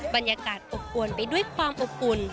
บรรยากาศอบอวนไปด้วยความอบอุ่น